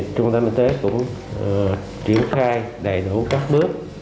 trung tâm y tế cũng triển khai đầy đủ các bước